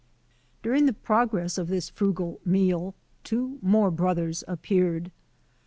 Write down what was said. During the progress of this frugal meal, two more brothers appeared.